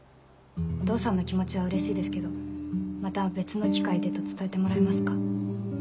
お父さんの気持ちはうれしいですけどまた別の機会でと伝えてもらえますか？